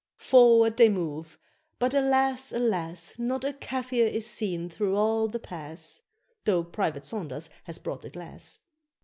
Forward they move, but alas! alas! Not a Kafir is seen through all the pass (Though Private Saunders has brought a glass).